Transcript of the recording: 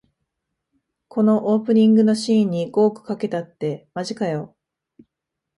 このオープニングのシーンに五億かけたってマジかよ